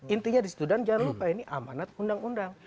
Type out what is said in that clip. intinya disitu dan jangan lupa ini amanat undang undang